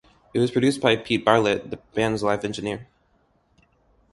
It was produced by Pete Bartlett, the band's live engineer.